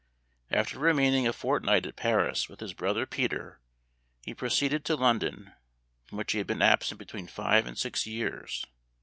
After remaining a fortnight at Paris with his brother Peter he proceeded to London, from which he had been absent between five and six years.